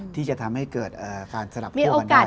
ที่จะทำให้เกิดการสลับคั่วกันได้